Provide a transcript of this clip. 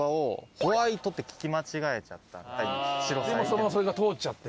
そのままそれが通っちゃって。